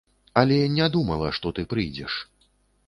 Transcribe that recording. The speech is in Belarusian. Але не думала, што ты прыйдзеш.